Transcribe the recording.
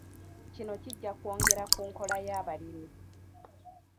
Kino kijja kwongera ku nkola y'abalimi.